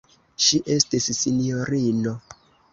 Ŝi estis sinjorino.